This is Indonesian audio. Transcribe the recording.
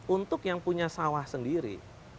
untuk yang punya sawah sendiri